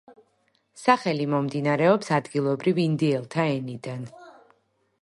სახელი მომდინარეობს ადგილობრივ ინდიელთა ენიდან.